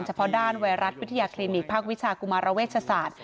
เฉพาะด้านไวรัสวิทยาคลินิกภาควิชากุมารเวชศาสตร์